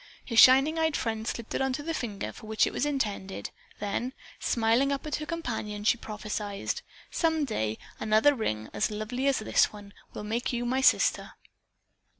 Her shining eyed friend slipped it on the finger for which it was intended, then, smiling up at her companion, she prophesied, "Some day another ring, as lovely as this one, will make you my sister."